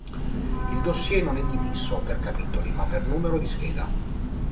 Il dossier non è diviso per capitoli, ma per numero di scheda.